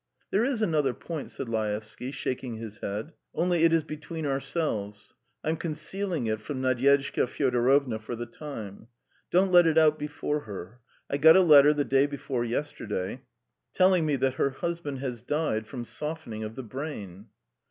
"There is another point," said Laevsky, shaking his head. "Only it is between ourselves. I'm concealing it from Nadyezhda Fyodorovna for the time. ... Don't let it out before her. ... I got a letter the day before yesterday, telling me that her husband has died from softening of the brain."